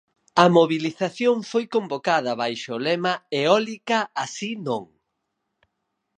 A mobilización foi convocada baixo o lema Eólica así non!